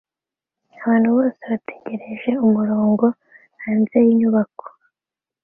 Abantu bose bategereje umurongo hanze yinyubako